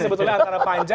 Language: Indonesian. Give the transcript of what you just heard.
sebetulnya antara panja